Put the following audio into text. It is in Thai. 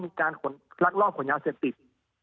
มีการขนลักลอบขนยาเสพติด